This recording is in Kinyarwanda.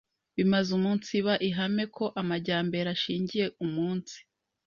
bimaze umunsiba ihame ko amajyambere ashingiye umunsi